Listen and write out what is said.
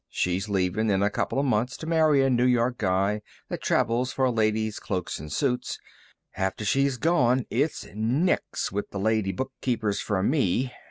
She's leaving in a couple of months to marry a New York guy that travels for ladies' cloaks and suits. After she goes it's nix with the lady bookkeepers for me.